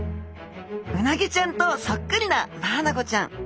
うなぎちゃんとそっくりなマアナゴちゃん。